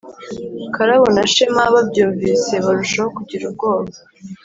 karabo na shema babyumvise barushaho kugira ubwoba